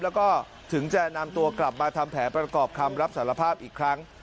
แล้วก็ถึงจะนำตัวกลับมาทำแผนประกอบคำรับสารภาพอีกครั้ง